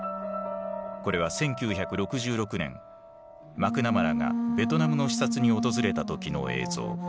これは１９６６年マクナマラがベトナムの視察に訪れた時の映像。